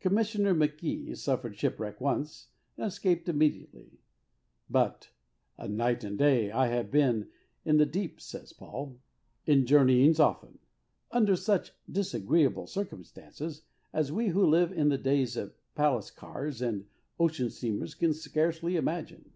Com missioner McKie suffered shipwreck once, and escaped 42 HEART TALKS ON HOLINESS. immediately; but, "a night and a day I have been in the deep,'^ says Paul. ''In journeyings often, under such disagreeable circumstances as we who live in the days of palace cars and ocean steamers can scarcely imagine.